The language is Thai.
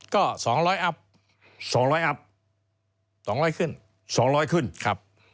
ก็๒๐๐อัพ๒๐๐อัพ๒๐๐ขึ้น๒๐๐ขึ้นครับ